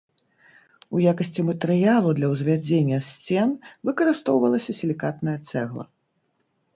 У якасці матэрыялу для ўзвядзення сцен выкарыстоўвалася сілікатная цэгла.